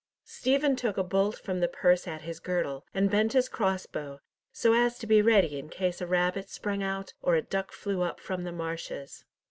Stephen took a bolt from the purse at his girdle, and bent his crossbow, so as to be ready in case a rabbit sprang out, or a duck flew up from the marshes.